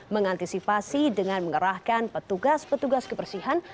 mengantisipasi dengan mengerahkan petugas petugas kebersihan